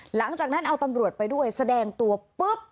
หลังจากนั้นเอาตำรวจไปด้วยแสดงตัวปุ๊บ